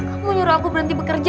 aku nyuruh aku berhenti bekerja